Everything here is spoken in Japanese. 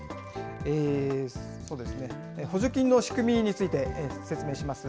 そうですね、補助金の仕組みについて説明します。